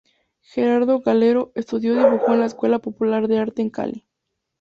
Gerardo Calero estudió dibujo en la Escuela Popular de Arte en Cali.